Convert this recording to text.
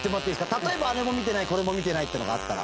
例えば、あれも見てないこれも見てないというのがあったら。